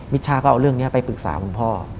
ช่าก็เอาเรื่องนี้ไปปรึกษาคุณพ่อ